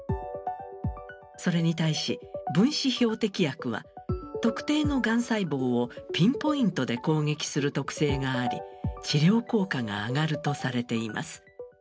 それに対し分子標的薬は特定のがん細胞をピンポイントで攻撃する特性があり治療効果が上がるとされています。